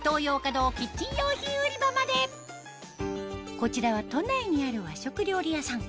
こちらは都内にある和食料理屋さん